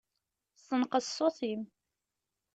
Senqeṣ ṣṣut-im.